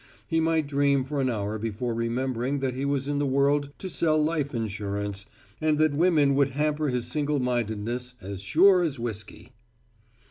He might dream for an hour before remembering that he was in the world to sell life insurance and that women would hamper his single mindedness as surely as whiskey.